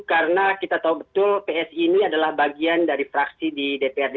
karena kita tahu betul psi ini adalah bagian dari fraksi di dprd dki